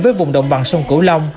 với vùng đồng bằng sông cửu long